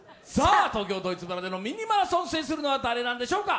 東京ドイツ村での「ミニマラソン」を制するのは誰なんでしょうか。